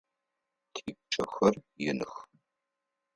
Типчъэхэр иных.